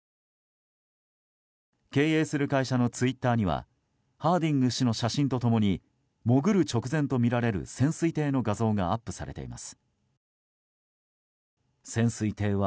経営する会社のツイッターにはハーディング氏の写真と共に潜る直前とみられる潜水艇の画像がアップされています。